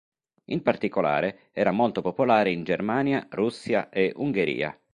In particolare era molto popolare in Germania, Russia e Ungheria.